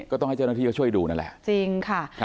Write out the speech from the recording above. ก็ต้องให้เจ้าหน้าที่ก็ช่วยดูนั่นแหละ